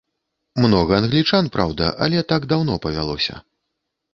Многа англічан, праўда, але так даўно павялося.